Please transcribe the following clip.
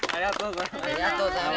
ありがとうございます。